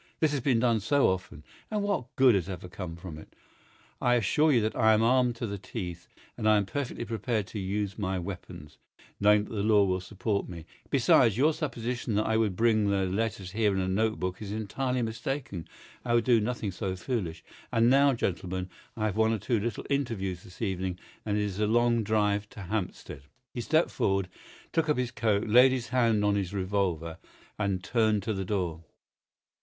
This has been done so often, and what good has ever come from it? I assure you that I am armed to the teeth, and I am perfectly prepared to use my weapons, knowing that the law will support me. Besides, your supposition that I would bring the letters here in a note book is entirely mistaken. I would do nothing so foolish. And now, gentlemen, I have one or two little interviews this evening, and it is a long drive to Hampstead." He stepped forward, took up his coat, laid his hand on his revolver, and turned to the door.